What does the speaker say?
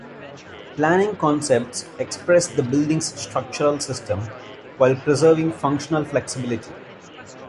Planning concepts express the building's structural system, while preserving functional flexibility.